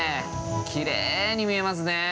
きれーいに見えますねー。